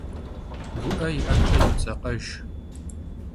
Gu'e yi 'epe yodzekhejj.